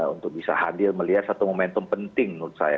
untuk bisa hadir melihat satu momentum penting menurut saya